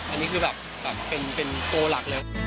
อันนี้คือแบบเป็นตัวหลักเลย